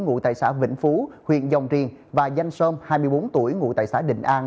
ngụ tại xã vĩnh phú huyện dòng tiền và danh sơn hai mươi bốn tuổi ngụ tại xã đình an